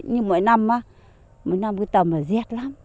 nhưng mỗi năm mỗi năm cứ tầm là rét lắm